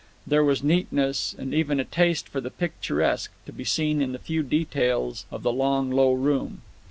There was neatness, and even a taste for the picturesque, to be seen in the few details of the long low room.